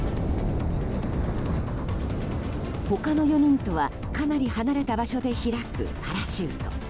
他の４人とはかなり離れた場所で開くパラシュート。